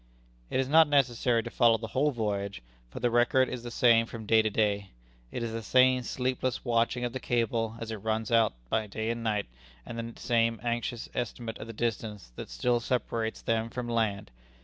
It is not necessary to follow the whole voyage, for the record is the same from day to day. It is the same sleepless watching of the cable as it runs out day and night, and the same anxious estimate of the distance that still separates them from land.